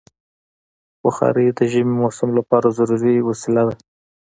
بخاري د ژمي موسم لپاره ضروري وسیله ده.